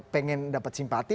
pengen dapat simpati